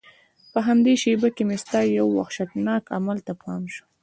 په همدې شېبه کې مې ستا یو وحشتناک عمل ته پام شو.